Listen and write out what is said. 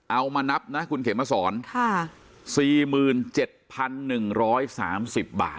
เอามานับนะคุณเขียนมาสอนค่ะสี่หมื่นเจ็ดพันหนึ่งร้อยสามสิบบาท